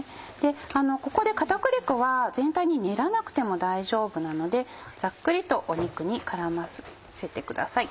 ここで片栗粉は全体に練らなくても大丈夫なのでザックリと肉に絡ませてください。